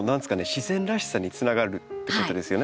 自然らしさにつながるってことですよね。